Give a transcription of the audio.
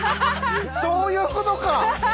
そういうことか！